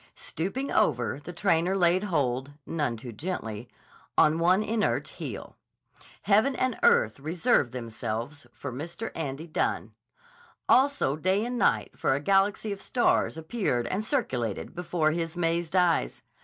Stooping over, the trainer laid hold, none too gently, on one inert heel. Heaven and earth reversed themselves for Mr. Andy Dunne. Also day and night, for a galaxy of stars appeared and circulated before his mazed eyes.